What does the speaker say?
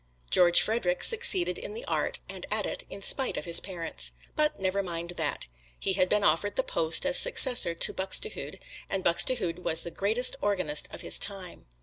George Frederick succeeded to the art, and at it, in spite of his parents. But never mind that! He had been offered the post as successor to Buxtehude, and Buxtehude was the greatest organist of his time.